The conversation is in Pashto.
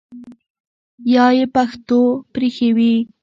یا ئی پښتو پرېښې وي